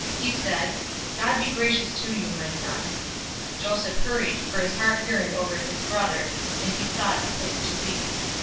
He said, "God be gracious to you, my son." 043:030 Joseph hurried, for his heart yearned over his brother; and he sought a place to weep.